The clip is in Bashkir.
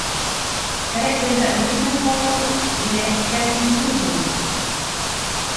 Кәрәк ерҙә өндәшмәй ҡалыу енәйәткә тиң түгелме ни?